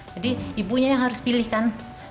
jadi ibunya yang harus pilihkan